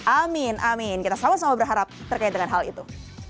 amin amin kita sama sama berharap terkait dengan hal itu